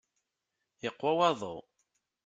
Yeqwa waḍu.